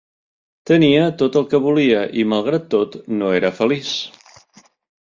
Tenia tot el que volia i, malgrat tot, no era feliç.